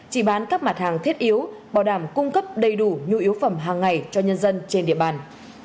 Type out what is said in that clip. chỉ bán các mặt hàng thiết yếu bảo đảm cung cấp đầy đủ nhu yếu phẩm hàng ngày cho nhân dân trên địa bàn